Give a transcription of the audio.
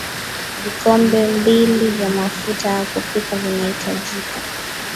vikombe mbili vya mafuta ya kupikia vitahitajika